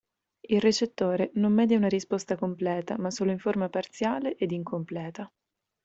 Il recettore non media una risposta completa, ma solo in forma parziale ed incompleta.